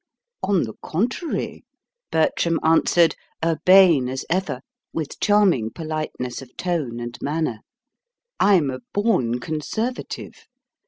"On the contrary," Bertram answered, urbane as ever, with charming politeness of tone and manner: "I'm a born conservative.